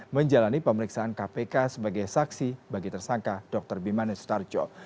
menjalani pemeriksaan kpk sebagai saksi bagi tersangka dr bimanes tarjo